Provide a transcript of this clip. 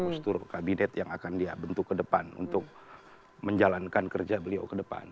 gus dur kabinet yang akan dia bentuk ke depan untuk menjalankan kerja beliau ke depan